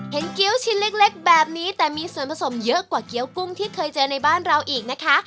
เกี้ยวชิ้นเล็กแบบนี้แต่มีส่วนผสมเยอะกว่าเกี้ยวกุ้งที่เคยเจอในบ้านเราอีกนะคะ